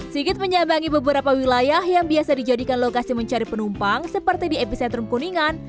sigit menyambangi beberapa wilayah yang biasa dijadikan lokasi mencari penumpang seperti di epicentrum kuningan